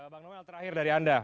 bang noel terakhir dari anda